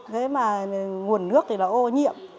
thế mà nguồn nước thì là ô nhiễm